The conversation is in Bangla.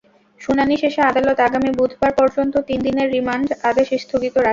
শুনানি শেষে আদালত আগামী বুধবার পর্যন্ত তিন দিনের রিমান্ড আদেশ স্থগিত রাখেন।